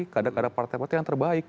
kadang kadang partai partai yang terbaik